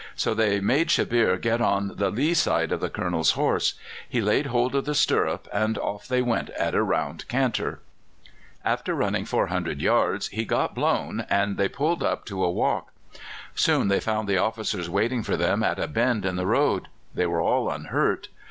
So they made Shebbeare get on the lee side of the Colonel's horse; he laid hold of the stirrup, and off they went at a round canter. After running 400 yards he got blown, and they pulled up to a walk. Soon they found the officers waiting for them at a bend in the road; they were all unhurt.